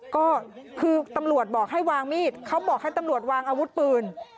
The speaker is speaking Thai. ก็คือตำรวจบอกให้วางมีดเขาบอกให้ตำรวจวางอาวุธปืน